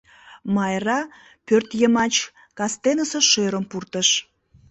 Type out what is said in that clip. Майра пӧртйымач кастенысе шӧрым пуртыш.